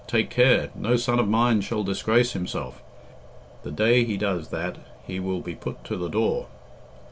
take care! No son of mine shall disgrace himself. The day he does that he will be put to the door."